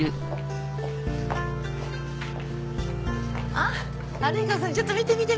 あっ春彦さんちょっと見て見て見て。